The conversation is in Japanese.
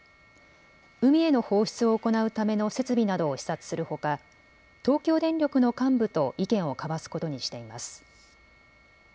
海への放出を行うための設備などを視察するほか東京電力の幹部と意見を交わすことにしています。